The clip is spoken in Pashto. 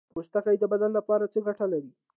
پوستکی د بدن لپاره څه ګټه لري